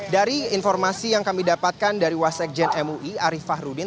dari informasi yang kami dapatkan dari wasekjen mui arief fahrudin